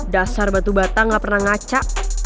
dasar batu batang gak pernah ngacak